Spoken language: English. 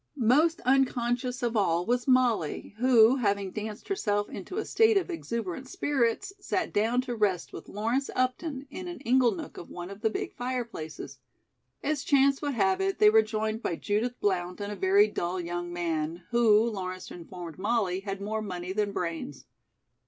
Most unconscious of all was Molly, who, having danced herself into a state of exuberant spirits, sat down to rest with Lawrence Upton in an ingle nook of one of the big fireplaces. As chance would have it, they were joined by Judith Blount and a very dull young man, who, Lawrence informed Molly, had more money than brains.